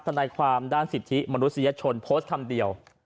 ทนายความด้านสิทธิมนุษยชนโพสต์คำเดียว